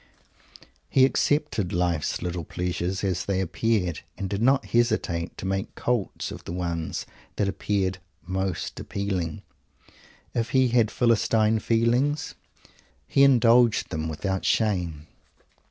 He accepted life's little pleasures as they appeared, and did not hesitate to make "cults" of the ones that appeared most appealing. If he had Philistine feelings, he indulged them without shame.